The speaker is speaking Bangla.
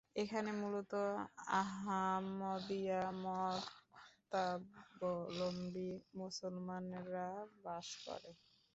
এখানে মূলত আহমদিয়া মতাবলম্বী মুসলমানরা বাস করে।